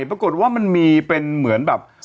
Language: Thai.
ปรากฏว่ามันมีเป็นเหมือนแบบ